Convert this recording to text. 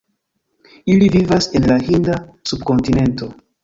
Ili vivas en la Hinda Subkontinento.